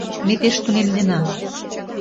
Ме пеш тунемнена.